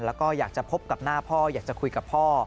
แล้วก็อยากจะพบกับหน้าพ่ออยากจะคุยกับพ่อ